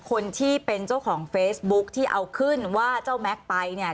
คนที่เป็นเจ้าของเฟซบุ๊คที่เอาขึ้นว่าเจ้าแม็กซ์ไปเนี่ย